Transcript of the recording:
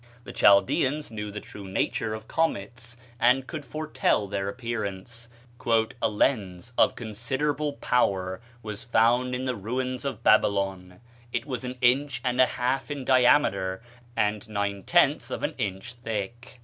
The Chaldeans knew the true nature of comets, and could foretell their reappearance. "A lens of considerable power was found in the ruins of Babylon; it was an inch and a half in diameter and nine tenths of an inch thick."